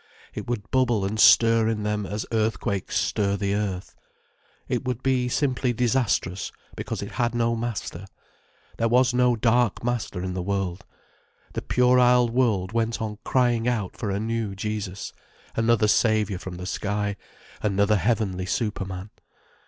It would bubble and stir in them as earthquakes stir the earth. It would be simply disastrous, because it had no master. There was no dark master in the world. The puerile world went on crying out for a new Jesus, another Saviour from the sky, another heavenly superman.